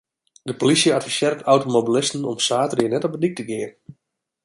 De plysje advisearret automobilisten om saterdei net de dyk op te gean.